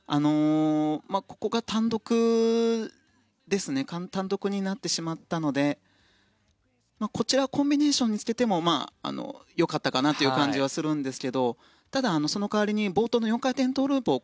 ここが単独になってしまったのでこちらをコンビネーションにしても良かったかなという感じがするんですけどただ、その代わりに冒頭の４回転トウループを